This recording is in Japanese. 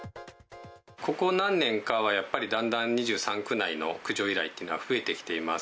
ここ何年かはやっぱりだんだん２３区内の駆除依頼っていうのは増えてきています。